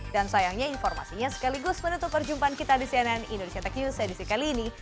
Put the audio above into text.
dan sayangnya informasinya sekaligus menutup perjumpaan kita di cnn indonesia tech news edisi kali ini